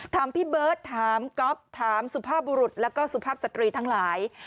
ถามพี่เบิร์ตถามก๊อฟถามสุภาพบุรุษแล้วก็สุภาพสตรีทั้งหลาย